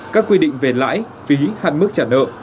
các quy định về lãi phí hạn mức trả nợ